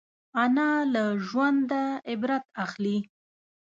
انا له ژونده عبرت اخلي